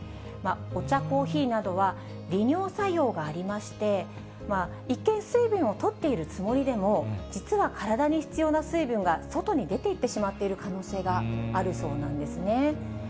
お茶、コーヒーなどは、利尿作用がありまして、一見、水分をとっているつもりでも、実は体に必要な水分が外に出ていってしまっている可能性があるそうなんですね。